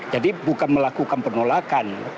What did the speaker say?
jadi bukan melakukan penolakan